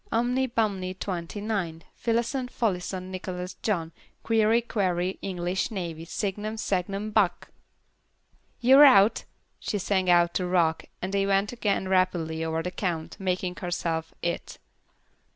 Umny Bumny, Twenty nine. Fillason, Folloson, Nicholas John. Queevy, Quavy, English Navy, Signum, Sangnum, Buck!' "You're out," she sang out to Rock and then went again rapidly over the count, making herself "It."